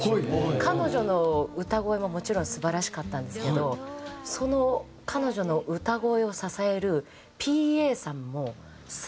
彼女の歌声ももちろん素晴らしかったんですけどその彼女の歌声を支えるＰＡさんも素晴らしくて。